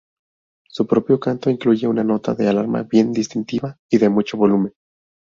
Su propio canto incluye una nota de alarma bien distintiva y de mucho volumen.